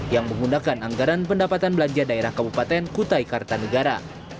yang menggunakan anggaran pendapatan belanja daerah kabupaten kutai kartanegara